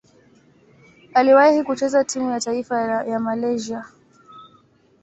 Aliwahi kucheza timu ya taifa ya Malaysia.